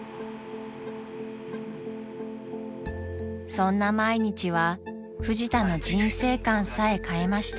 ［そんな毎日はフジタの人生観さえ変えました］